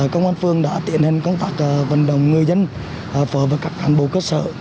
công an phường đã tiện hình công tác vận động người dân phở và các thành bộ cơ sở